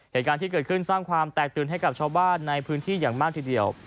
เหตุการณ์ที่เกิดขึ้นสร้างความแตกตื่นให้กับชาวบ้านในพื้นที่อย่างมากทีเดียว